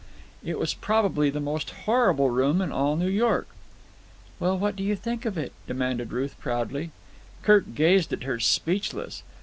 It was probably the most horrible room in all New York. "Well, what do you think of it?" demanded Ruth proudly. Kirk gazed at her, speechless.